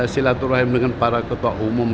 silaturahim dengan para ketua umum